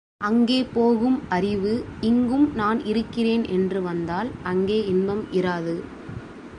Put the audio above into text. அங்கே போகும் அறிவு இங்கும் நான் இருக்கிறேன் என்று வந்தால் அங்கே இன்பம் இராது.